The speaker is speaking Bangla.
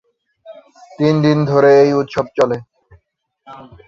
তিন দিন ধরে এই উৎসব চলে।